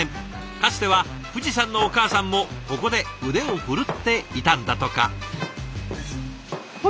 かつては藤さんのお母さんもここで腕を振るっていたんだとか。